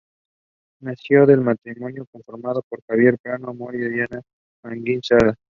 Nació del matrimonio conformado por Javier Prado Amor y Adriana Aránguiz Cerda.